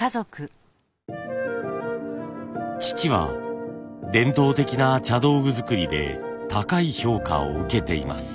父は伝統的な茶道具作りで高い評価を受けています。